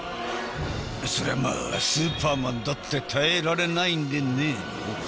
そりゃまあスーパーマンだって耐えられないんでねえの？